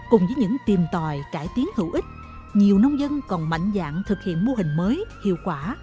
cùng với những tìm tòi cải tiến hữu ích nhiều nông dân còn mạnh dạng thực hiện mô hình mới hiệu quả